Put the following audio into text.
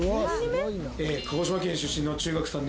鹿児島県出身の中学３年生です。